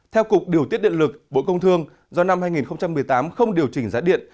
theo cục điều tiết điện lực bộ công thương do năm hai nghìn một mươi tám không điều chỉnh giá điện